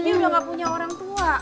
jadi udah gak punya orang tua